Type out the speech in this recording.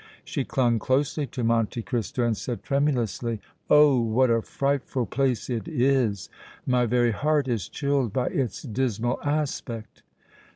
She clung closely to Monte Cristo and said, tremulously: "Oh! what a frightful place it is! My very heart is chilled by its dismal aspect!"